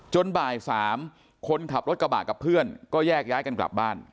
บ่าย๓คนขับรถกระบะกับเพื่อนก็แยกย้ายกันกลับบ้าน